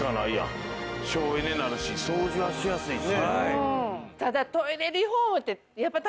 省エネになるし掃除はしやすいし。